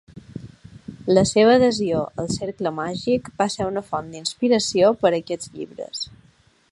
La seva adhesió al cercle màgic va ser una font d'inspiració per a aquests llibres.